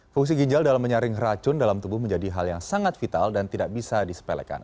fungsi ginjal dalam menyaring racun dalam tubuh menjadi hal yang sangat vital dan tidak bisa disepelekan